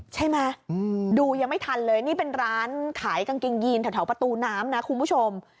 ใช่ไหมดูยังไม่ทันเลยนี่เป็นร้านขายกางเกงยีนแถวประตูน้ำนะคุณผู้ชม